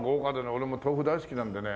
俺も豆腐大好きなんでね。